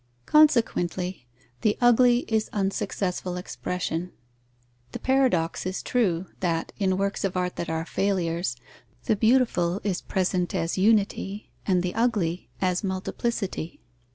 _ Consequently, the ugly is unsuccessful expression. The paradox is true, that, in works of art that are failures, the beautiful is present as unity and the ugly as multiplicity.